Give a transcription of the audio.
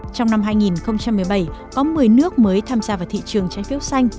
trong năm hai nghìn một mươi bảy có một mươi nước mới tham gia vào thị trường trái phiếu xanh